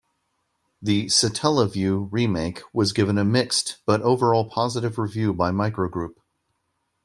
The Satellaview remake was given a mixed, but overall positive review by Microgroup.